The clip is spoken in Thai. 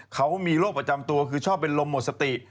เขามีโรคประจำตัวคือชอบเป็นลมหมดสติ